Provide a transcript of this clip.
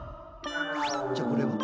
じゃあこれは？